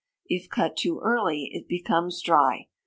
If cut too early it becomes dry.